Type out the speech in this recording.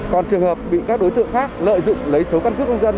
còn trường hợp bị các đối tượng khác lợi dụng lấy số căn cước công dân